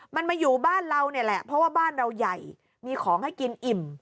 มันมาอยู่บ้านเราเนี่ยแหละเพราะว่าบ้านเราใหญ่มีของให้กินอิ่ม